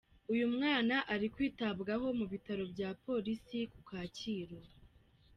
Uyu mwana ari kwitabwaho mu bitaro bya Polisi ku Kacyiru.